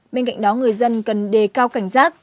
bên cạnh đó người dân cần đề cao cảnh giác